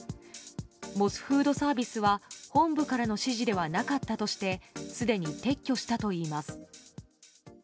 モスフードサービスは本部からの指示ではなかったとしてすでに撤去したといいます。